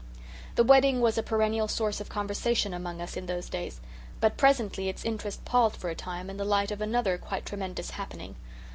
The wedding was a perennial source of conversation among us in those days; but presently its interest palled for a time in the light of another quite tremendous happening.